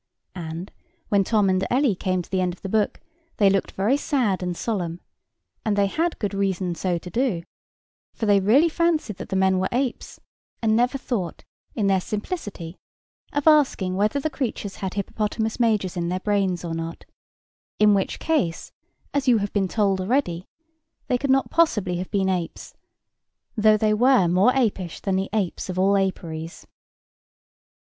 And, when Tom and Ellie came to the end of the book, they looked very sad and solemn; and they had good reason so to do, for they really fancied that the men were apes, and never thought, in their simplicity, of asking whether the creatures had hippopotamus majors in their brains or not; in which case, as you have been told already, they could not possibly have been apes, though they were more apish than the apes of all aperies.